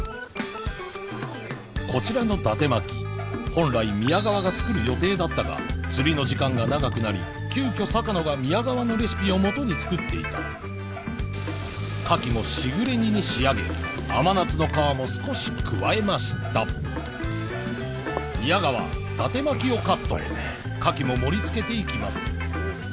こちらの伊達巻本来宮川が作る予定だったが釣りの時間が長くなり急きょ坂野が宮川のレシピをもとに作っていたカキもしぐれ煮に仕上げ甘夏の皮も少し加えました宮川伊達巻をカットカキも盛りつけていきます